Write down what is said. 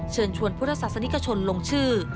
เชิญชวนพุทธศาสนิกชนลงชื่อ